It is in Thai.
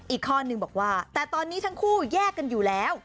อีกข้อนึงบอกว่าแต่ตอนนี้ทั้งคู่แยกกันอยู่แล้ว